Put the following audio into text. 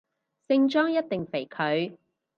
聖莊一定肥佢